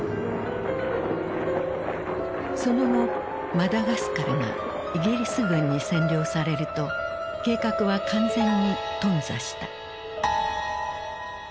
その後マダガスカルがイギリス軍に占領されると計画は完全に頓挫した。